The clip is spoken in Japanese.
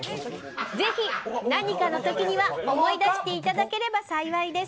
ぜひ何かのときには思い出していただければ幸いです。